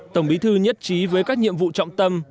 tổng bí thư nhất trí với các nhiệm vụ trọng tâm